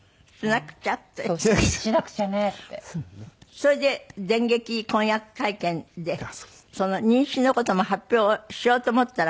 それで電撃婚約会見でその妊娠の事も発表しようと思ったら。